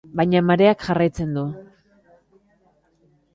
Baina mareak jarraitzen du.